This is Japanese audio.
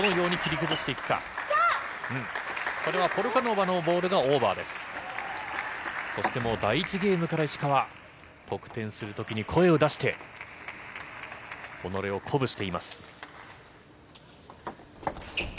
そして、もう第１ゲームから石川は得点する時に声を出して己を鼓舞しています。